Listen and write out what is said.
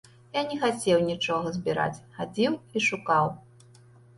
Я не хацеў нічога збіраць, хадзіў і шукаў.